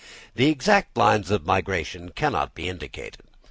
The exact lines of migration cannot be indicated.